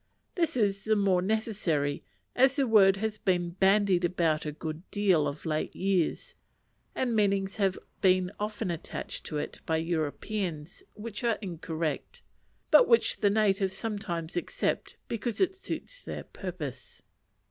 This is the more necessary, as the word has been bandied about a good deal of late years, and meanings have been often attached to it by Europeans which are incorrect, but which the natives sometimes accept because it suits their purpose.